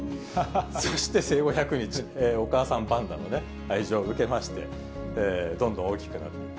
そして、生後１００日、お母さんパンダの愛情を受けまして、どんどん大きくなって。